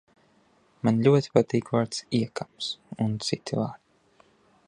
Man ļoti patīk vārds "iekams" un citi vārdi.